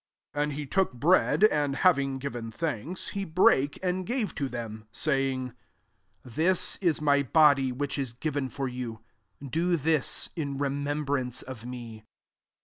19 And he took breads and having given thanks, he brake, and gave to them, saying, <^ This is my body which is given for you : do this in remembruice of me."